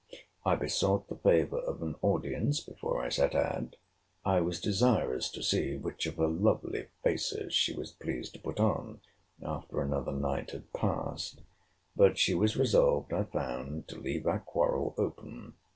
I besought the favour of an audience before I set out. I was desirous to see which of her lovely faces she was pleased to put on, after another night had passed. But she was resolved, I found, to leave our quarrel open.